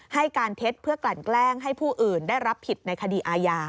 ให้การเท็จเพื่อกลั่นแกล้งให้ผู้อื่นได้รับผิดในคดีอาญา